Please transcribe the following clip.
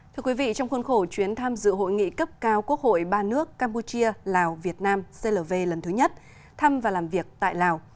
thưa quý vị trong khuôn khổ chuyến tham dự hội nghị cấp cao quốc hội ba nước campuchia lào việt nam clv lần thứ nhất thăm và làm việc tại lào